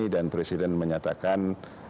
dan presiden menyatakan